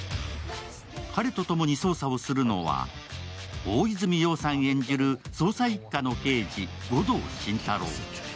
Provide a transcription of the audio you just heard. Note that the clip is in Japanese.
彼と共に捜査をするのは大泉洋さん演じる捜査一課の刑事、護道心太朗。